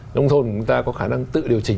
nông thôn của chúng ta có khả năng tự điều chỉnh